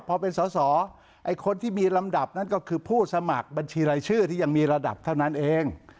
พอเป็นสอสอไอ้คนที่มีลำดับนั้นก็คือผู้สมัครบัญชีรายชื่อที่ยังมีระดับเท่านั้นเอง